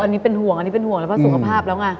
อันนี้เป็นห่วงแล้วเพราะสุขภาพแล้วไง